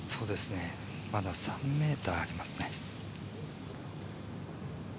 まだ３ｍありますね。